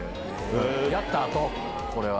やった後これは。